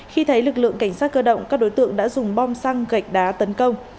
khi thấy lực lượng cảnh sát cơ động các đối tượng đã dùng bom xăng gạch đá tấn công